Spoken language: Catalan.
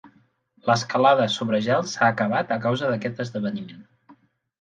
L'escalada sobre gel s'ha acabat a causa d'aquest esdeveniment.